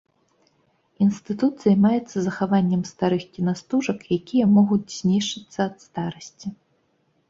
Інстытут займаецца захаваннем старых кінастужак, якія могуць знішчыцца ад старасці.